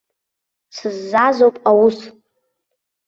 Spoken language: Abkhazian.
Сыззаазоуп аус.